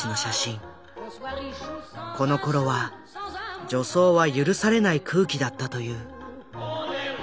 このころは女装は許されない空気だったという。